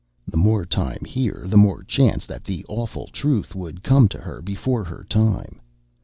The more time here the more chance that the awful truth would come to her before her time.